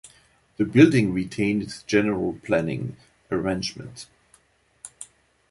The building retains its general planning arrangement.